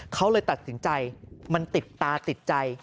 เขาเลยตัดสินใจมันติดตาติดใจ